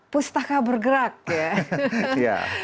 pustaka bergerak ya